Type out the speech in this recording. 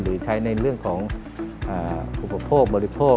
หรือใช้ในเรื่องของอุปโภคบริโภค